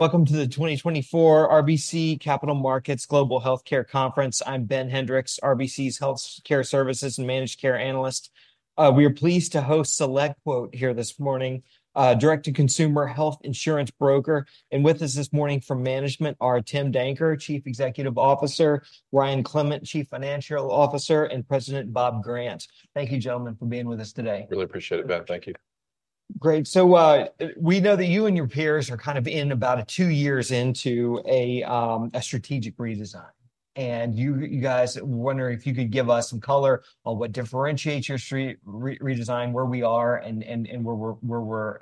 Welcome to the 2024 RBC Capital Markets Global Healthcare Conference. I'm Ben Hendrix, RBC's Healthcare Services and Managed Care analyst. We are pleased to host SelectQuote here this morning, a direct-to-consumer health insurance broker. And with us this morning from management are Tim Danker, Chief Executive Officer, Ryan Clement, Chief Financial Officer, and President Robert Grant. Thank you, gentlemen, for being with us today. Really appreciate it, Ben. Thank you. Great, so, we know that you and your peers are kind of in about a two years into a strategic redesign. And you guys wondering if you could give us some color on what differentiates your strategic redesign, where we are, and where we're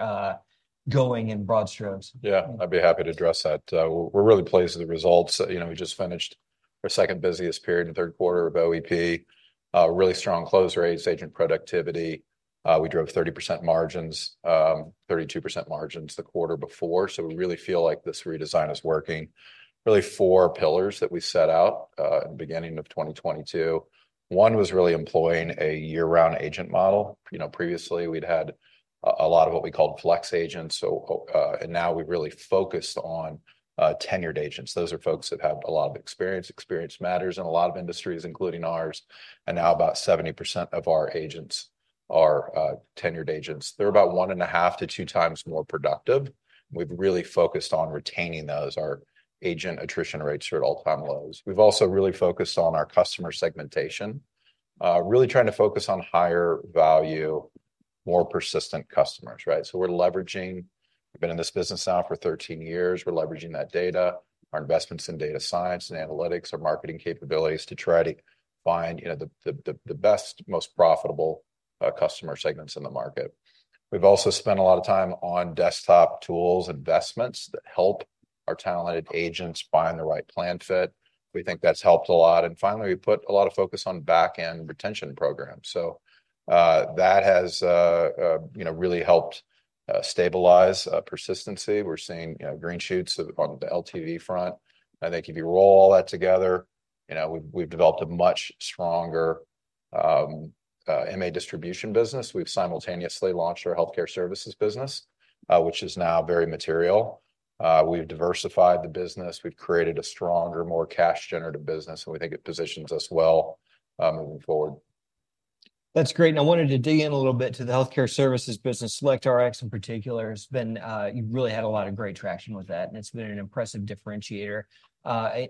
going, in broad strokes? Yeah, I'd be happy to address that. We're really pleased with the results. You know, we just finished our second busiest period in the third quarter of OEP. Really strong close rates, agent productivity. We drove 30% margins, 32% margins the quarter before, so we really feel like this redesign is working. Really four pillars that we set out in the beginning of 2022. One was really employing a year-round agent model. You know, previously, we'd had a lot of what we called flex agents, so, and now we've really focused on tenured agents. Those are folks that have a lot of experience. Experience matters in a lot of industries, including ours, and now about 70% of our agents are tenured agents. They're about 1.5x-2x more productive. We've really focused on retaining those. Our agent attrition rates are at all-time lows. We've also really focused on our customer segmentation, really trying to focus on higher-value, more persistent customers, right? So we're leveraging. We've been in this business now for 13 years. We're leveraging that data, our investments in data science and analytics, our marketing capabilities, to try to find, you know, the best, most profitable customer segments in the market. We've also spent a lot of time on desktop tools, investments that help our talented agents find the right plan fit. We think that's helped a lot. And finally, we put a lot of focus on back-end retention programs. So, that has, you know, really helped stabilize persistency. We're seeing, you know, green shoots on the LTV front. I think if you roll all that together, you know, we've developed a much stronger MA distribution business. We've simultaneously launched our healthcare services business, which is now very material. We've diversified the business. We've created a stronger, more cash-generative business, and we think it positions us well, moving forward. That's great, and I wanted to dig in a little bit to the healthcare services business. SelectRx, in particular, has been. You've really had a lot of great traction with that, and it's been an impressive differentiator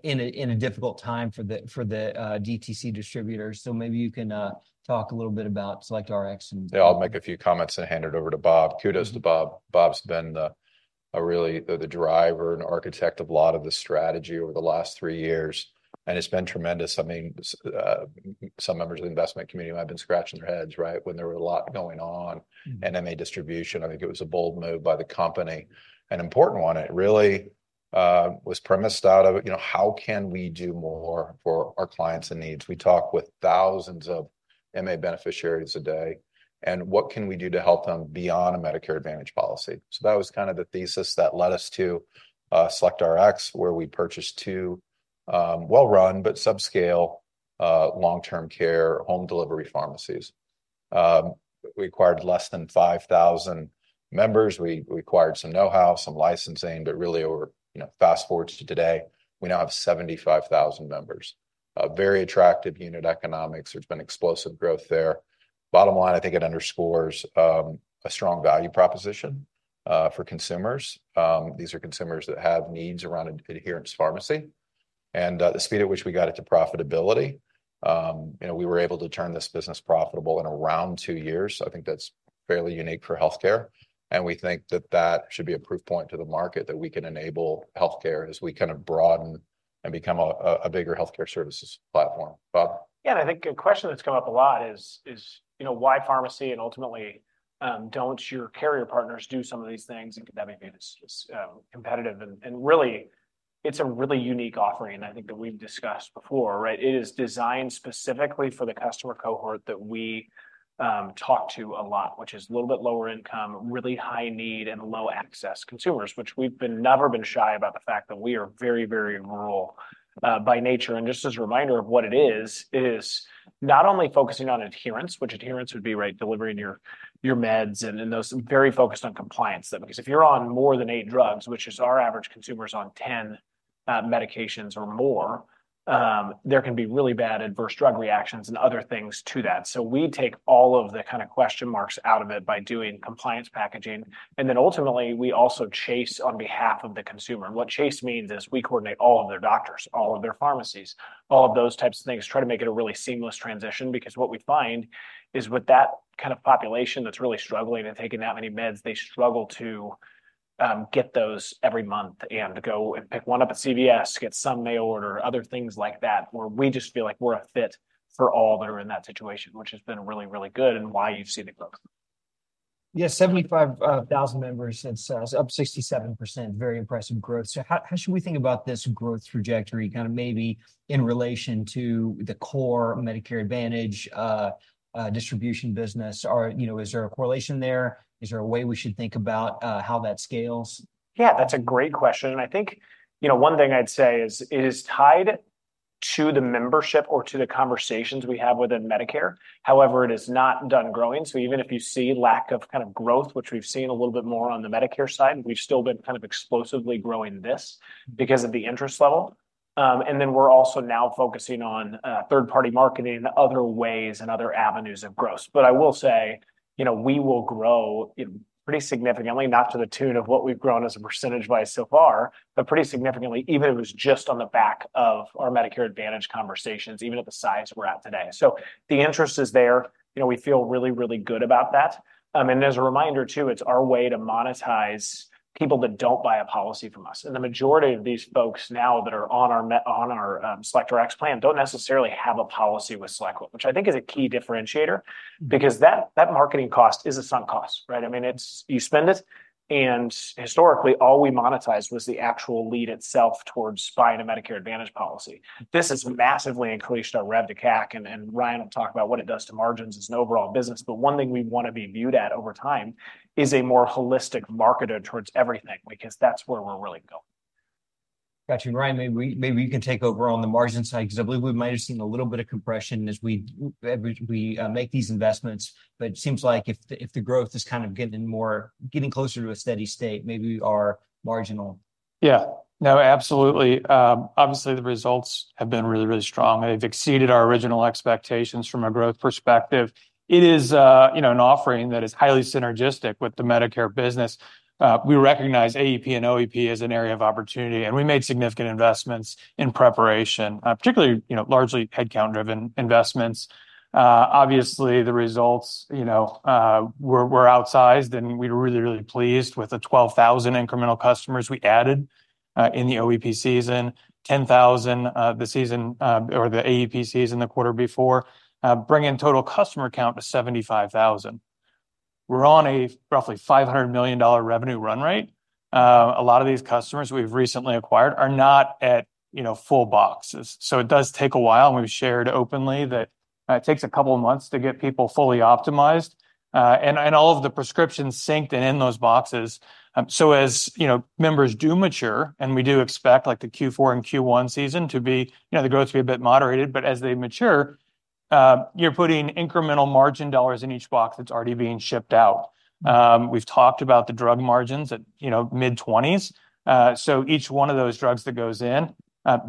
in a difficult time for the DTC distributors. So maybe you can talk a little bit about SelectRx and- Yeah, I'll make a few comments and hand it over to Bob. Kudos to Bob. Bob's been really the driver and architect of a lot of the strategy over the last three years, and it's been tremendous. I mean, some members of the investment community might have been scratching their heads, right, when there was a lot going on- Mm-hmm... in MA distribution. I think it was a bold move by the company, an important one. It really was premised out of, you know, how can we do more for our clients and needs? We talk with thousands of MA beneficiaries a day, and what can we do to help them beyond a Medicare Advantage policy? So that was kind of the thesis that led us to SelectRx, where we purchased two well-run but subscale long-term care home delivery pharmacies. We acquired less than 5,000 members. We acquired some know-how, some licensing, but really we're, you know, fast-forward to today, we now have 75,000 members. Very attractive unit economics. There's been explosive growth there. Bottom line, I think it underscores a strong value proposition for consumers. These are consumers that have needs around adherence pharmacy, and the speed at which we got it to profitability, you know, we were able to turn this business profitable in around two years. So I think that's fairly unique for healthcare, and we think that that should be a proof point to the market, that we can enable healthcare as we kind of broaden and become a bigger healthcare services platform. Bob? Yeah, and I think a question that's come up a lot is, you know, why pharmacy, and ultimately, don't your carrier partners do some of these things, and could that mean it's competitive? And really, it's a really unique offering, I think, that we've discussed before, right? It is designed specifically for the customer cohort that we talk to a lot, which is a little bit lower income, really high need, and low access consumers, which we've never been shy about the fact that we are very, very rural by nature. Just as a reminder of what it is, it is not only focusing on adherence, which adherence would be, right, delivering your meds, and those, very focused on compliance, though, because if you're on more than eight drugs, which is our average consumer's on 10 medications or more, there can be really bad adverse drug reactions and other things to that. So we take all of the kind of question marks out of it by doing compliance packaging, and then ultimately, we also chase on behalf of the consumer. What chase means is we coordinate all of their doctors, all of their pharmacies, all of those types of things, try to make it a really seamless transition, because what we find is, with that kind of population that's really struggling and taking that many meds, they struggle to get those every month, and go and pick one up at CVS, get some mail order, other things like that, where we just feel like we're a fit for all that are in that situation, which has been really, really good and why you've seen it grow. Yeah, 75,000 members since up 67%. Very impressive growth. So how, how should we think about this growth trajectory, kind of maybe in relation to the core Medicare Advantage distribution business? Or, you know, is there a correlation there? Is there a way we should think about how that scales? Yeah, that's a great question, and I think, you know, one thing I'd say is, it is tied to the membership or to the conversations we have within Medicare. However, it is not done growing. So even if you see lack of kind of growth, which we've seen a little bit more on the Medicare side, we've still been kind of explosively growing this because of the interest level. And then we're also now focusing on third-party marketing and other ways and other avenues of growth. But I will say, you know, we will grow, you know, pretty significantly, not to the tune of what we've grown as a percentage-wise so far, but pretty significantly, even if it was just on the back of our Medicare Advantage conversations, even at the size we're at today. So the interest is there. You know, we feel really, really good about that. And as a reminder, too, it's our way to monetize people that don't buy a policy from us. And the majority of these folks now that are on our SelectRx plan don't necessarily have a policy with SelectQuote, which I think is a key differentiator, because that marketing cost is a sunk cost, right? I mean, it's you spend it, and historically, all we monetized was the actual lead itself towards buying a Medicare Advantage policy. This has massively increased our rev to CAC, and Ryan will talk about what it does to margins as an overall business. But one thing we want to be viewed at over time is a more holistic marketer towards everything, because that's where we're really going. Got you. And, Ryan, maybe you can take over on the margin side, because I believe we might have seen a little bit of compression as we make these investments. But it seems like if the growth is kind of getting closer to a steady state, maybe we are marginal. Yeah. No, absolutely. Obviously, the results have been really, really strong. They've exceeded our original expectations from a growth perspective. It is, you know, an offering that is highly synergistic with the Medicare business. We recognize AEP and OEP as an area of opportunity, and we made significant investments in preparation, particularly, you know, largely headcount-driven investments. Obviously, the results, you know, were outsized, and we're really, really pleased with the 12,000 incremental customers we added in the OEP season, 10,000, the season, or the AEP season the quarter before, bringing total customer count to 75,000. We're on a roughly $500 million revenue run rate. A lot of these customers we've recently acquired are not at, you know, full boxes. So it does take a while, and we've shared openly that it takes a couple of months to get people fully optimized, and all of the prescriptions synced and in those boxes. So as you know, members do mature, and we do expect, like, the Q4 and Q1 season to be, you know, the growth to be a bit moderated, but as they mature, you're putting incremental margin dollars in each box that's already being shipped out. We've talked about the drug margins at, you know, mid-20s. So each one of those drugs that goes in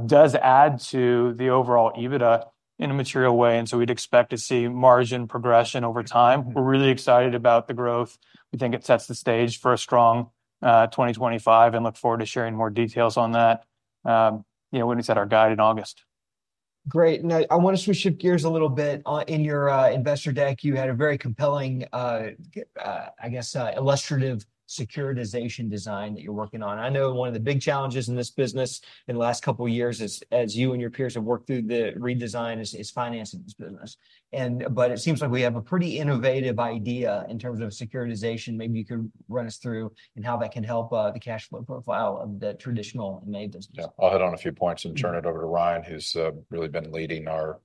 does add to the overall EBITDA in a material way, and so we'd expect to see margin progression over time. We're really excited about the growth. We think it sets the stage for a strong 2025, and look forward to sharing more details on that, you know, when we set our guide in August. Great. Now, I want to switch gears a little bit. In your investor deck, you had a very compelling, I guess, illustrative securitization design that you're working on. I know one of the big challenges in this business in the last couple of years is, as you and your peers have worked through the redesign, financing this business. But it seems like we have a pretty innovative idea in terms of securitization. Maybe you could run us through how that can help the cash flow profile of the traditional MA business. Yeah. I'll hit on a few points and turn it over to Ryan, who's really been leading our,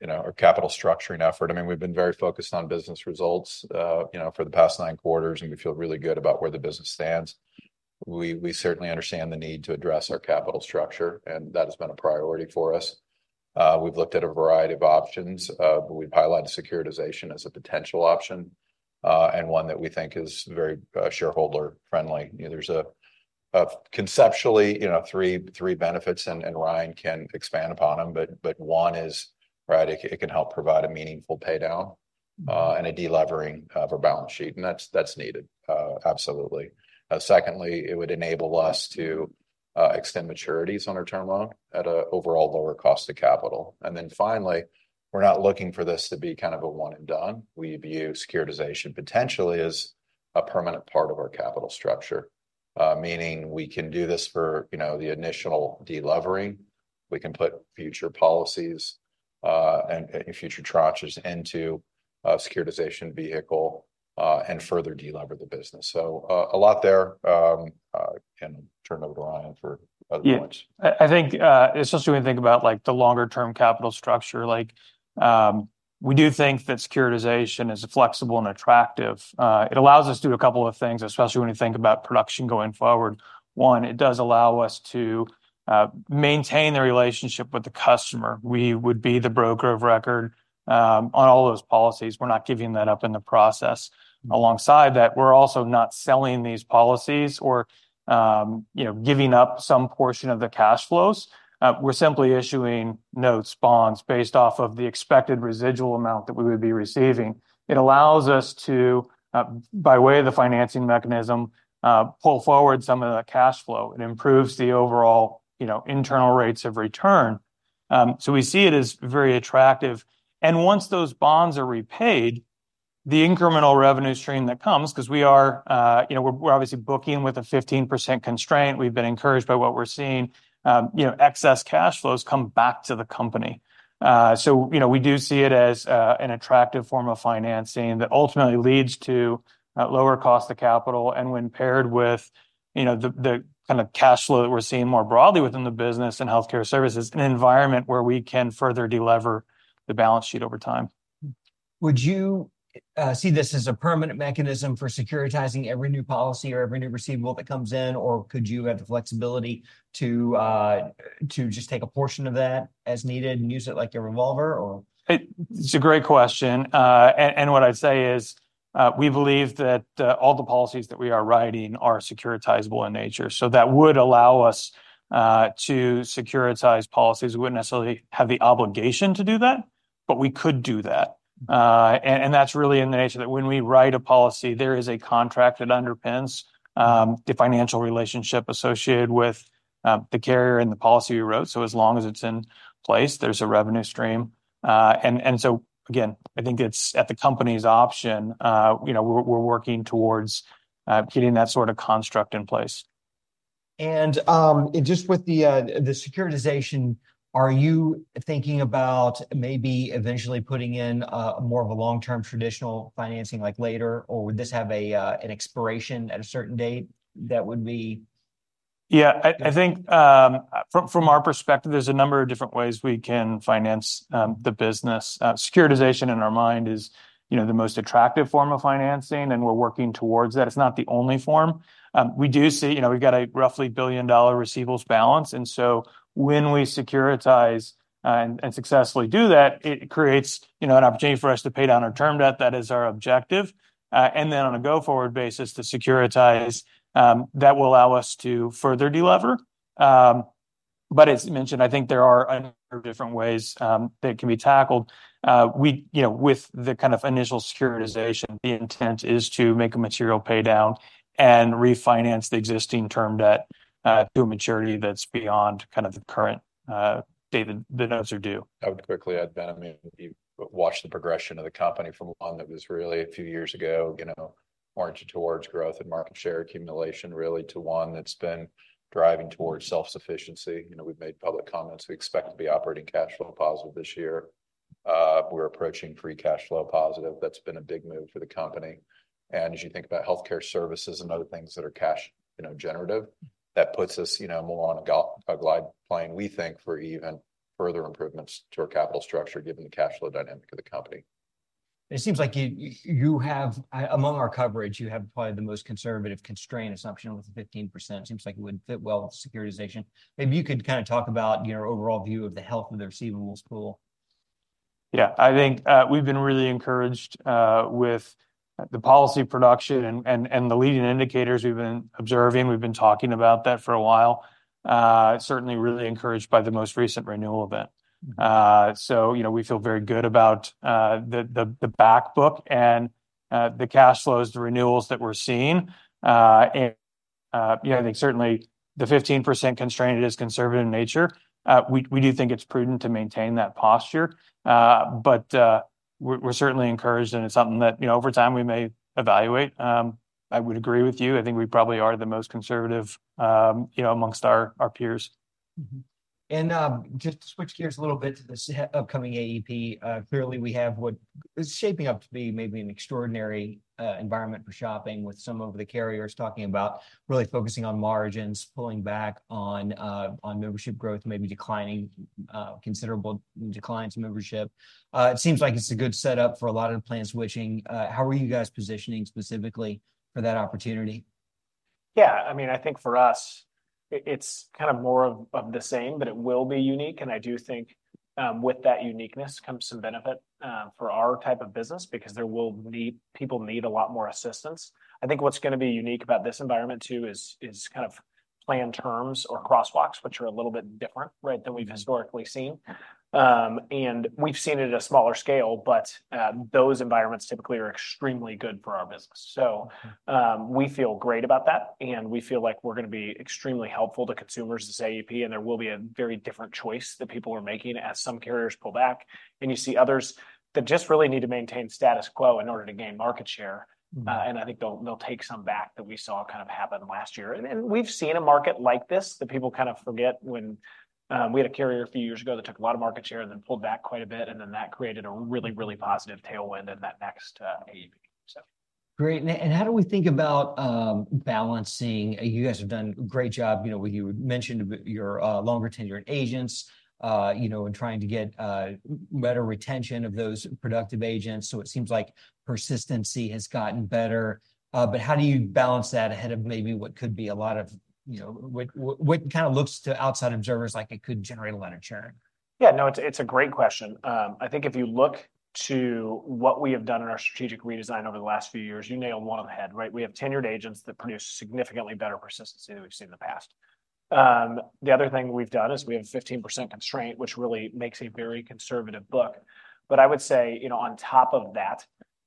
you know, our capital structuring effort. I mean, we've been very focused on business results, you know, for the past nine quarters, and we feel really good about where the business stands. We certainly understand the need to address our capital structure, and that has been a priority for us. We've looked at a variety of options, but we've highlighted securitization as a potential option, and one that we think is very shareholder-friendly. You know, there's conceptually three benefits, and Ryan can expand upon them, but one is, right, it can help provide a meaningful paydown, and a delevering of our balance sheet, and that's needed, absolutely. Secondly, it would enable us to extend maturities on our term loan at an overall lower cost of capital. And then finally, we're not looking for this to be kind of a one and done. We view securitization potentially as a permanent part of our capital structure, meaning we can do this for, you know, the initial delevering. We can put future policies and future tranches into a securitization vehicle and further delever the business. So, a lot there, and turn it over to Ryan for other points. Yeah. I think, especially when you think about, like, the longer-term capital structure, like, we do think that securitization is flexible and attractive. It allows us to do a couple of things, especially when you think about production going forward. One, it does allow us to maintain the relationship with the customer. We would be the broker of record, on all those policies. We're not giving that up in the process. Alongside that, we're also not selling these policies or, you know, giving up some portion of the cash flows. We're simply issuing notes, bonds, based off of the expected residual amount that we would be receiving. It allows us to, by way of the financing mechanism, pull forward some of the cash flow. It improves the overall, you know, internal rates of return. So we see it as very attractive. Once those bonds are repaid, the incremental revenue stream that comes, 'cause we are, you know, we're, we're obviously booking with a 15% constraint, we've been encouraged by what we're seeing, you know, excess cash flows come back to the company. So, you know, we do see it as an attractive form of financing that ultimately leads to lower cost of capital, and when paired with, you know, the, the kind of cash flow that we're seeing more broadly within the business and healthcare services, an environment where we can further delever the balance sheet over time. Would you see this as a permanent mechanism for securitizing every new policy or every new receivable that comes in? Or could you have the flexibility to just take a portion of that as needed and use it like a revolver or? It's a great question. And what I'd say is, we believe that all the policies that we are writing are securitizable in nature. So that would allow us to securitize policies. We wouldn't necessarily have the obligation to do that, but we could do that. And that's really in the nature, that when we write a policy, there is a contract that underpins the financial relationship associated with the carrier and the policy we wrote. So as long as it's in place, there's a revenue stream. And so, again, I think it's at the company's option. You know, we're working towards getting that sort of construct in place. And just with the securitization, are you thinking about maybe eventually putting in more of a long-term traditional financing, like, later? Or would this have an expiration at a certain date that would be- Yeah, I think, from our perspective, there's a number of different ways we can finance the business. Securitization, in our mind, is, you know, the most attractive form of financing, and we're working towards that. It's not the only form. We do see—you know, we've got a roughly $1 billion receivables balance, and so when we securitize, and successfully do that, it creates, you know, an opportunity for us to pay down our term debt. That is our objective. And then on a go-forward basis, to securitize, that will allow us to further de-lever. But as mentioned, I think there are a number of different ways that it can be tackled. We, you know, with the kind of initial securitization, the intent is to make a material paydown and refinance the existing term debt to a maturity that's beyond kind of the current date that the notes are due. I would quickly add, Ben, I mean, you watch the progression of the company from one that was really, a few years ago, you know, oriented towards growth and market share accumulation, really, to one that's been driving towards self-sufficiency. You know, we've made public comments. We expect to be operating cash flow positive this year. We're approaching free cash flow positive. That's been a big move for the company. And as you think about healthcare services and other things that are cash, you know, generative, that puts us, you know, more on a glide plane, we think, for even further improvements to our capital structure, given the cash flow dynamic of the company. It seems like you have, among our coverage, you have probably the most conservative constraint assumption, with the 15%. Seems like it would fit well with securitization. Maybe you could kind of talk about your overall view of the health of the receivables pool. Yeah, I think we've been really encouraged with the policy production and the leading indicators we've been observing. We've been talking about that for a while. Certainly really encouraged by the most recent renewal event. So, you know, we feel very good about the back book and the cash flows, the renewals that we're seeing. And yeah, I think certainly the 15% constraint is conservative in nature. We do think it's prudent to maintain that posture. But we're certainly encouraged, and it's something that, you know, over time, we may evaluate. I would agree with you. I think we probably are the most conservative, you know, amongst our peers. Mm-hmm. And, just to switch gears a little bit to this upcoming AEP, clearly, we have what is shaping up to be maybe an extraordinary environment for shopping, with some of the carriers talking about really focusing on margins, pulling back on membership growth, maybe declining, considerable declines in membership. It seems like it's a good setup for a lot of plan switching. How are you guys positioning specifically for that opportunity? Yeah, I mean, I think for us, it's kind of more of the same, but it will be unique, and I do think, with that uniqueness comes some benefit, for our type of business, because people will need a lot more assistance. I think what's gonna be unique about this environment, too, is kind of plan terms or crosswalks, which are a little bit different, right, than we've historically seen. And we've seen it at a smaller scale, but, those environments typically are extremely good for our business. So, we feel great about that, and we feel like we're gonna be extremely helpful to consumers this AEP, and there will be a very different choice that people are making as some carriers pull back. And you see others that just really need to maintain status quo in order to gain market share. Mm-hmm. And I think they'll take some back that we saw kind of happen last year. And we've seen a market like this, that people kind of forget when... We had a carrier a few years ago that took a lot of market share and then pulled back quite a bit, and then that created a really, really positive tailwind in that next AEP, so. Great. And how do we think about balancing, you guys have done a great job, you know, you mentioned a bit, your longer tenured agents, you know, in trying to get better retention of those productive agents, so it seems like persistency has gotten better. But how do you balance that ahead of maybe what could be a lot of, you know, what kind of looks to outside observers like it could generate a lot of churn? Yeah, no, it's, it's a great question. I think if you look to what we have done in our strategic redesign over the last few years, you nailed it well on the head, right? We have tenured agents that produce significantly better persistency than we've seen in the past. The other thing we've done is we have a 15% constraint, which really makes a very conservative book. But I would say, you know, on top of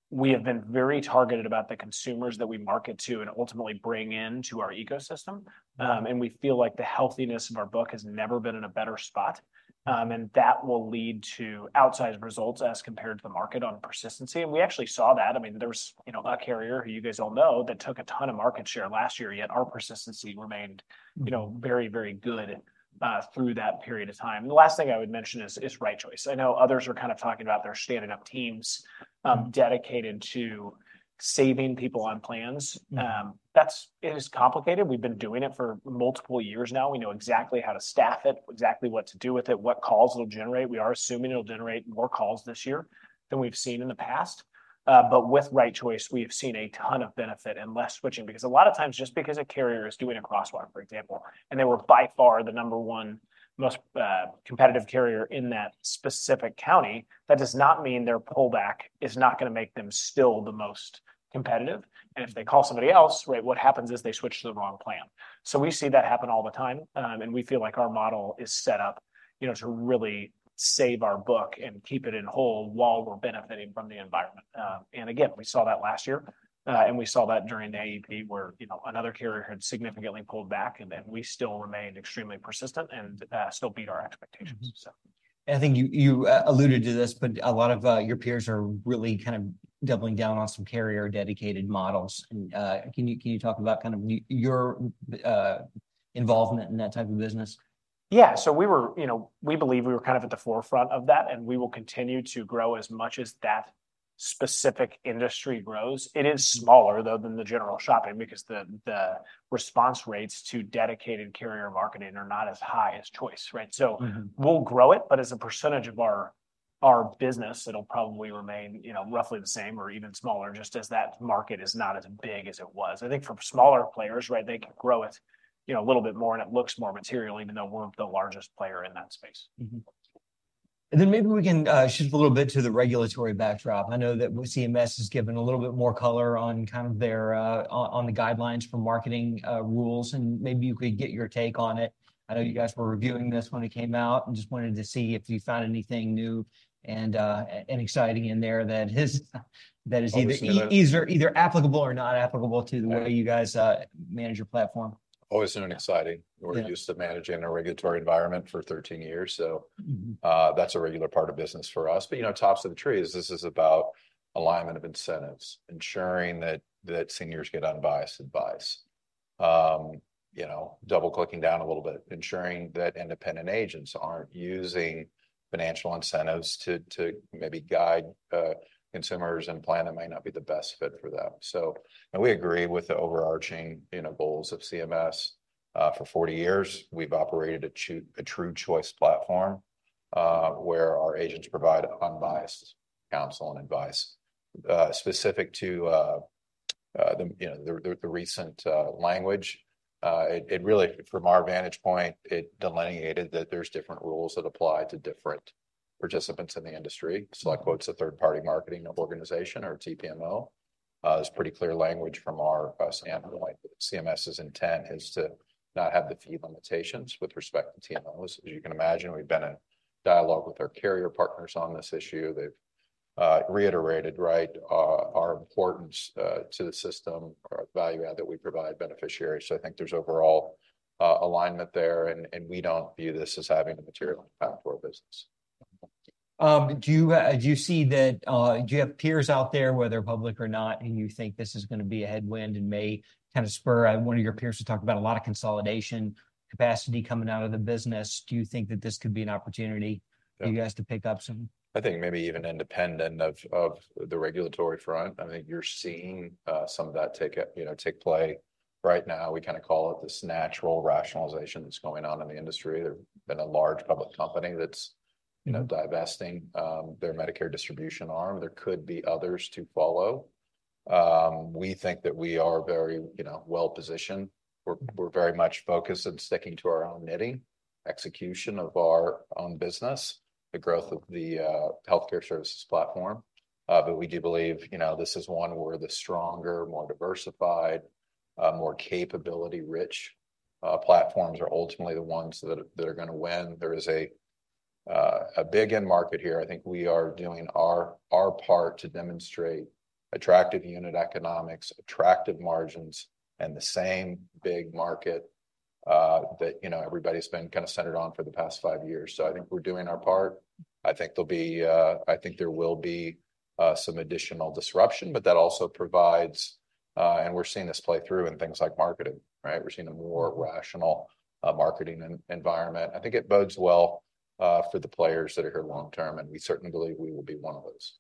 that, we have been very targeted about the consumers that we market to and ultimately bring into our ecosystem. Mm-hmm. We feel like the healthiness of our book has never been in a better spot, and that will lead to outsized results as compared to the market on persistency. We actually saw that. I mean, there was, you know, a carrier, who you guys all know, that took a ton of market share last year, yet our persistency remained- Mm You know, very, very good, through that period of time. The last thing I would mention is Right Choice. I know others are kind of talking about their standing up teams, dedicated to saving people on plans. Mm. That's, it is complicated. We've been doing it for multiple years now. We know exactly how to staff it, exactly what to do with it, what calls it'll generate. We are assuming it'll generate more calls this year than we've seen in the past. But with Right Choice, we've seen a ton of benefit and less switching, because a lot of times just because a carrier is doing a crosswalk, for example, and they were by far the number one most competitive carrier in that specific county, that does not mean their pullback is not gonna make them still the most competitive. And if they call somebody else, right, what happens is they switch to the wrong plan. So we see that happen all the time, and we feel like our model is set up, you know, to really save our book and keep it in whole while we're benefiting from the environment. And again, we saw that last year, and we saw that during the AEP, where, you know, another carrier had significantly pulled back, and then we still remained extremely persistent and still beat our expectations, so. Mm-hmm. And I think you alluded to this, but a lot of your peers are really kind of doubling down on some carrier-dedicated models. And can you talk about kind of your involvement in that type of business? Yeah. So we were. You know, we believe we were kind of at the forefront of that, and we will continue to grow as much as that specific industry grows. It is smaller, though, than the general shopping, because the response rates to dedicated carrier marketing are not as high as choice, right? Mm-hmm. So we'll grow it, but as a percentage of our business, it'll probably remain, you know, roughly the same or even smaller, just as that market is not as big as it was. I think for smaller players, right, they can grow it, you know, a little bit more, and it looks more material, even though we're the largest player in that space. Mm-hmm. And then maybe we can shift a little bit to the regulatory backdrop. I know that CMS has given a little bit more color on kind of their on the guidelines for marketing rules, and maybe you could get your take on it. I know you guys were reviewing this when it came out, and just wanted to see if you found anything new and exciting in there that is either- Obviously the-... either, either applicable or not applicable to the way you guys manage your platform. Always new and exciting. Yeah. We're used to managing a regulatory environment for 13 years, so- Mm-hmm... that's a regular part of business for us. But, you know, tops of the trees, this is about alignment of incentives, ensuring that seniors get unbiased advice. You know, double-clicking down a little bit, ensuring that independent agents aren't using financial incentives to maybe guide consumers in a plan that might not be the best fit for them. So, we agree with the overarching, you know, goals of CMS. For 40 years, we've operated a true choice platform, where our agents provide unbiased counsel and advice. Specific to the recent language, it really, from our vantage point, delineated that there's different rules that apply to different participants in the industry. SelectQuote's a third-party marketing organization, or TPMO. There's pretty clear language from our standpoint, like CMS's intent is to not have the fee limitations with respect to TPMOs. As you can imagine, we've been in dialogue with our carrier partners on this issue. They've reiterated, right, our importance to the system or the value add that we provide beneficiaries. So I think there's overall alignment there, and we don't view this as having a material impact to our business. Do you see that, do you have peers out there, whether public or not, and you think this is gonna be a headwind and may kind of spur one of your peers to talk about a lot of consolidation capacity coming out of the business. Do you think that this could be an opportunity? Yeah... for you guys to pick up some? I think maybe even independent of the regulatory front, I think you're seeing some of that taking place. You know, right now, we kind of call it this natural rationalization that's going on in the industry. There's been a large public company that's, you know, divesting their Medicare distribution arm. There could be others to follow. We think that we are very, you know, well-positioned. We're very much focused on sticking to our own knitting, execution of our own business, the growth of the healthcare services platform. But we do believe, you know, this is one where the stronger, more diversified, more capability-rich platforms are ultimately the ones that are gonna win. There is a big end market here. I think we are doing our part to demonstrate attractive unit economics, attractive margins, and the same big market that, you know, everybody's been kind of centered on for the past five years. So I think we're doing our part. I think there will be some additional disruption, but that also provides... And we're seeing this play through in things like marketing, right? We're seeing a more rational marketing environment. I think it bodes well for the players that are here long term, and we certainly believe we will be one of those.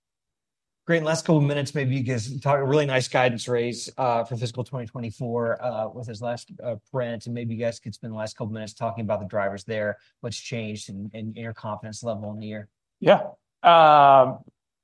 Great. In the last couple of minutes, maybe you guys can talk, a really nice guidance raise, for fiscal 2024, with Bob Grant, and maybe you guys could spend the last couple of minutes talking about the drivers there. What's changed, and, and your confidence level in the year? Yeah,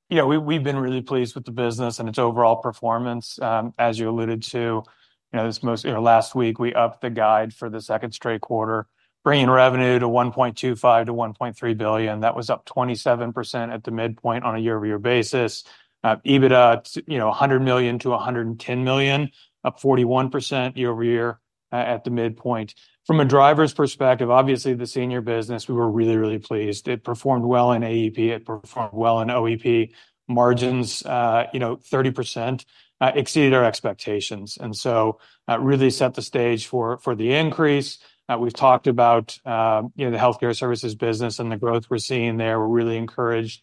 you know, we, we've been really pleased with the business and its overall performance. As you alluded to, you know, this most, you know, last week, we upped the guide for the second straight quarter, bringing revenue to $1.25 billion-$1.3 billion. That was up 27% at the midpoint on a year-over-year basis. EBITDA, you know, $100 million-$110 million, up 41% year-over-year at the midpoint. From a driver's perspective, obviously, the senior business, we were really, really pleased. It performed well in AEP, it performed well in OEP. Margins, you know, 30%, exceeded our expectations, and so, really set the stage for, for the increase. We've talked about, you know, the healthcare services business and the growth we're seeing there. We're really encouraged,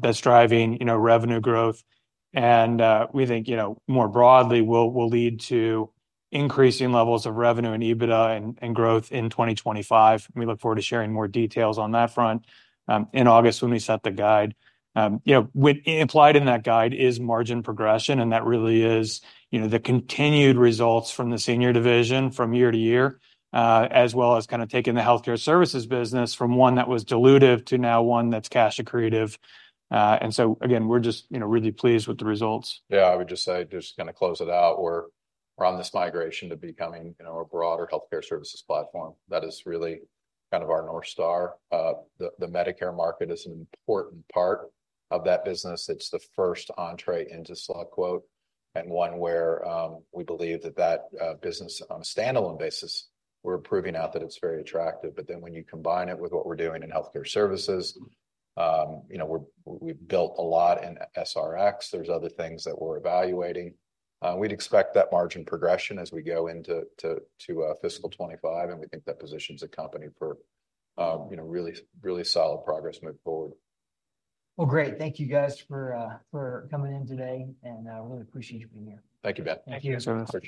that's driving, you know, revenue growth, and, we think, you know, more broadly, will, will lead to increasing levels of revenue and EBITDA and, and growth in 2025. We look forward to sharing more details on that front, in August, when we set the guide. You know, with, implied in that guide is margin progression, and that really is, you know, the continued results from the senior division from year to year, as well as kind of taking the healthcare services business from one that was dilutive to now one that's cash accretive. And so, again, we're just, you know, really pleased with the results. Yeah, I would just say, just to kind of close it out, we're on this migration to becoming, you know, a broader healthcare services platform. That is really kind of our North Star. The Medicare market is an important part of that business. It's the first entry into SelectQuote, and one where we believe that business, on a standalone basis, we're proving out that it's very attractive. But then when you combine it with what we're doing in healthcare services, you know, we've built a lot in SRX. There's other things that we're evaluating. We'd expect that margin progression as we go into fiscal 2025, and we think that positions the company for, you know, really, really solid progress moving forward. Well, great. Thank you guys for coming in today, and really appreciate you being here. Thank you, Ben. Thank you. Appreciate it.